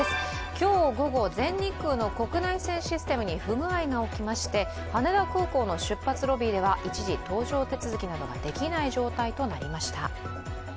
今日午後、全日空の国内線システムに不具合が起きまして、羽田空港の出発ロビーでは一時搭乗手続きなどができない状態となりました。